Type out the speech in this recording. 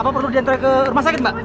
apa perlu diantar ke rumah sakit mbak